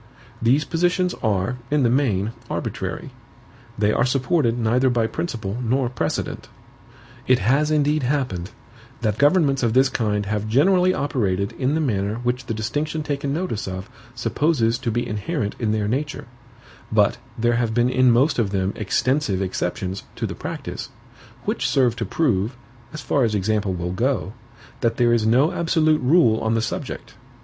These positions are, in the main, arbitrary; they are supported neither by principle nor precedent. It has indeed happened, that governments of this kind have generally operated in the manner which the distinction taken notice of, supposes to be inherent in their nature; but there have been in most of them extensive exceptions to the practice, which serve to prove, as far as example will go, that there is no absolute rule on the subject.